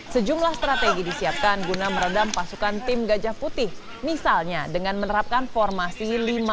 sejumlah strategi disiapkan guna meredam pasukan tim gajah putih misalnya dengan menerapkan formasi lima